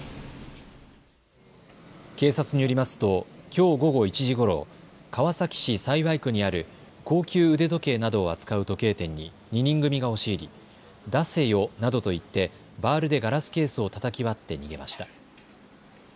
警察によりますときょう午後１時ごろ、川崎市幸区にある高級腕時計などを扱う時計店に２人組が押し入り出せよなどと言ってバールでガラスケースをたたき割って逃げました。